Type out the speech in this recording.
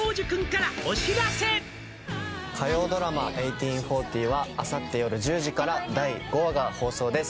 火曜ドラマ「１８／４０」はあさって夜１０時から第５話が放送です